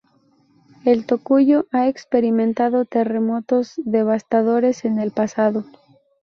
El Tocuyo ha experimentado terremotos devastadores en el pasado.